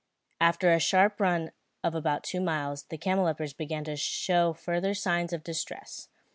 After a sharp run of about two miles, the camelopards began to show further signs of distress.